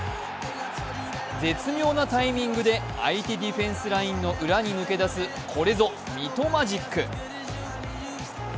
絶妙なタイミングで相手ディフェンスラインの裏に抜け出す、これぞ、ミトマジック。